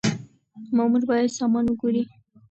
مامور بايد سامان وګوري.